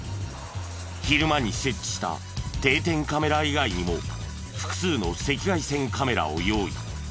昼間に設置した定点カメラ以外にも複数の赤外線カメラを用意。